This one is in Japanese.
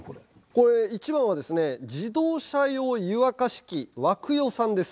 これ１番はですね自動車用湯沸かし器ワクヨさんです。